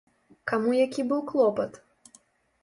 Каму які быў клопат?